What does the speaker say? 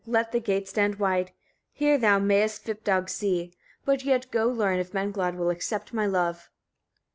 Let the gate stand wide; here thou mayest Svipdag see; but yet go learn if Menglod will accept my love.